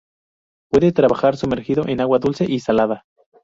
Puede trabajar sumergido en agua dulce y salada.